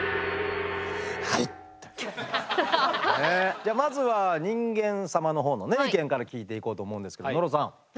じゃあまずは人間様のほうの意見から聞いていこうと思うんですけど野呂さん